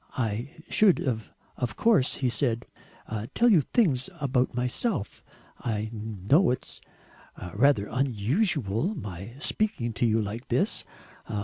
"I should of course," he said, "tell you things about myself. I know it is rather unusual my speaking to you like this.